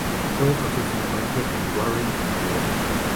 Coe pasó su infancia en Warren, Pensilvania.